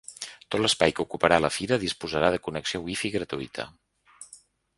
Tot l’espai que ocuparà la fira disposarà de connexió wifi gratuïta.